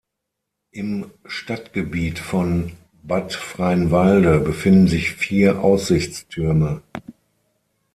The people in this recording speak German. Im Stadtgebiet von Bad Freienwalde befinden sich vier Aussichtstürme.